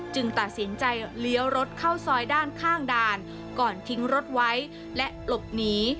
ตัดสินใจเลี้ยวรถเข้าซอยด้านข้างด่านก่อนทิ้งรถไว้และหลบหนี